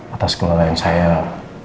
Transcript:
atas kelelian saya